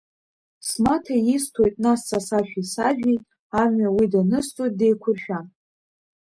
Смаҭа исҭоит нас са сашәеи сажәеи, амҩа уи данысҵоит деиқәыршәа.